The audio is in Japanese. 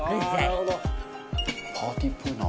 中丸：パーティーっぽいな。